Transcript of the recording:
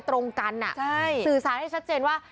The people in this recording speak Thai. ตรงกันสื่อสารให้ชัดเจนว่า